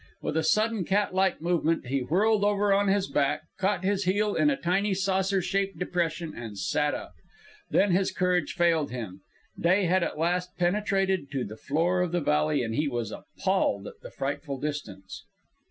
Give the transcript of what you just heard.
With a sudden, catlike movement he whirled over on his back, caught his heel in a tiny, saucer shaped depression and sat up. Then his courage failed him. Day had at last penetrated to the floor of the valley, and he was appalled at the frightful distance.